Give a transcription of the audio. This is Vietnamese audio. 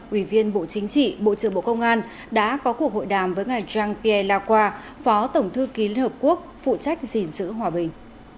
ủy viên bộ chính trị bộ trưởng bộ công an đã có cuộc hội đàm với ngài jean pierre lacroix phó tổng thư ký liên hợp quốc phụ trách gìn giữ hòa bình